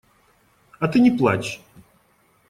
А ты не плачь.